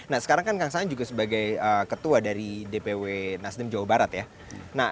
nah sekarang kan kang saan juga sebagai ketua dari dpw nasdem jawa barat ya